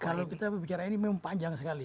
kalau kita bicara ini memang panjang sekali